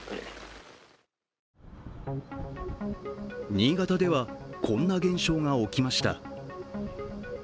新潟では、こんな現象が起きました。